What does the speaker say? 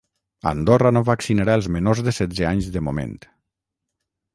Andorra no vaccinarà els menors de setze anys de moment.